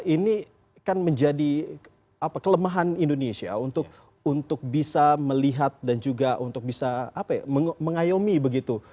ini kan menjadi kelemahan indonesia untuk bisa melihat dan juga untuk bisa mengayomi begitu